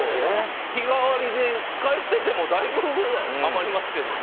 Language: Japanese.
日替わりで使い捨ててもだいぶ余りますけどね。